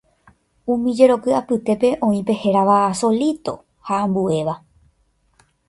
Umi jeroky apytépe oĩ pe hérava “solíto” ha ambuéva.